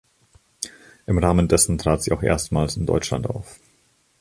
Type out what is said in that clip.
Im Rahmen dessen trat sie auch erstmals in Deutschland auf.